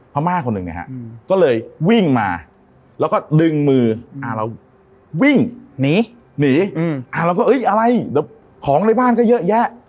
พม่าคนหนึ่งเนี่ยฮะก็เลยวิ่งมาแล้วก็ดึงมือเราวิ่งหนีหนีเราก็เอ้ยอะไรเดี๋ยวของในบ้านก็เยอะแยะ